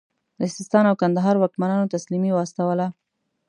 د سیستان او کندهار واکمنانو تسلیمي واستوله.